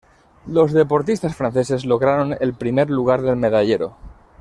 Los deportistas franceses lograron el primer lugar del medallero.